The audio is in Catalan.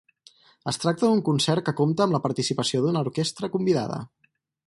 Es tracta d'un concert que compta amb la participació d'una orquestra convidada.